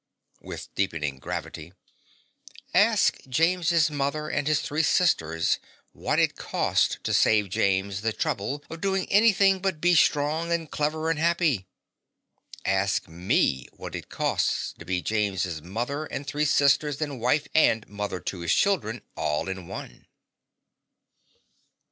(With deepening gravity.) Ask James's mother and his three sisters what it cost to save James the trouble of doing anything but be strong and clever and happy. Ask ME what it costs to be James's mother and three sisters and wife and mother to his children all in one.